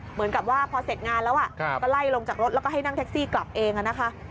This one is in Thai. เหมือนกับว่าพอเสร็จงานแล้วก็ไล่ลงจากรถแล้วก็ให้นั่งแท็กซี่กลับเองนะคะ